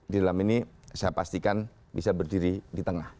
di dalam ini saya pastikan bisa berdiri di tengah